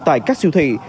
tại các siêu thị